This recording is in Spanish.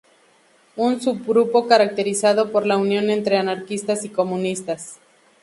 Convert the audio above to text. Un sub grupo caracterizado por la unión entre anarquistas y comunistas.